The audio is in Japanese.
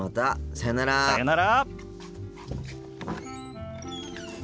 さよなら。